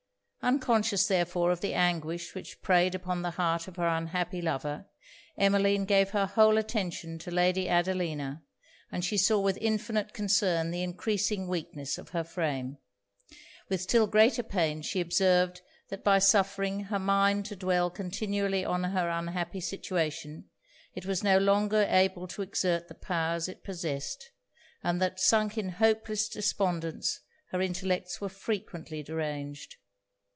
Unconscious therefore of the anguish which preyed upon the heart of her unhappy lover, Emmeline gave her whole attention to Lady Adelina, and she saw with infinite concern the encreasing weakness of her frame; with still greater pain she observed, that by suffering her mind to dwell continually on her unhappy situation, it was no longer able to exert the powers it possessed; and that, sunk in hopeless despondence, her intellects were frequently deranged.